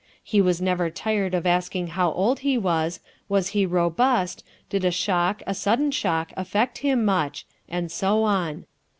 He was never tired of asking how old he was, was he robust, did a shock, a sudden shock, affect him much? and so on.